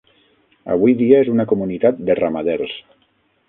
Avui dia és una comunitat de ramaders.